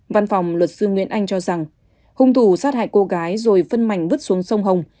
văn phòng luật sư nguyễn anh cho rằng hung thủ sát hại cô gái rồi phân mảnh vứt xuống sông hồng